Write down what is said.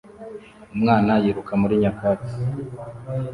Umwana yiruka muri nyakatsi